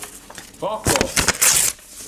Foco!